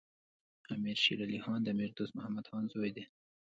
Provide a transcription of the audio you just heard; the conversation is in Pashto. امیر شیر علی خان د امیر دوست محمد خان زوی دی.